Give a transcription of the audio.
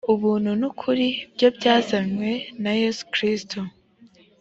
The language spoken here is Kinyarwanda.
ubuntu n’ukuri byo byazanywe na yesu kristo